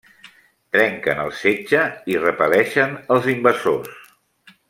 Trenquen el setge i repel·leixen els invasors.